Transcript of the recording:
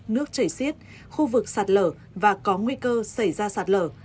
nước chảy xiết khu vực sạt lở và có nguy cơ xảy ra sạt lở